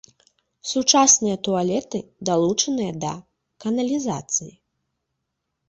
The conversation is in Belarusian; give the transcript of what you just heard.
Сучасныя туалеты далучаныя да каналізацыі.